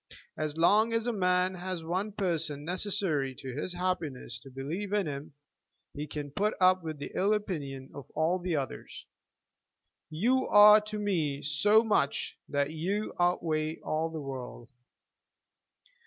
As long as a man has the one person necessary to his happiness to believe in him, he can put up with the ill opinion of all the others. You are to me so much that you outweigh all the world.